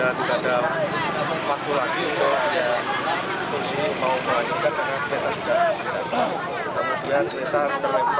dan kemudian kita terlempar kurang lebih yang dari sepuluh meter